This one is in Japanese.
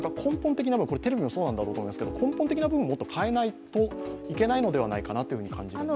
テレビもそうなんだろうと思いますが、根本的な部分を変えないといけないのではないかなと感じます。